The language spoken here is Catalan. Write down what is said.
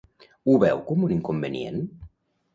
Ho veu com un inconvenient?